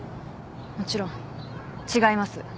もちろん違います。